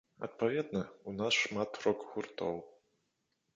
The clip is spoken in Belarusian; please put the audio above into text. Адпаведна, у нас шмат рок-гуртоў.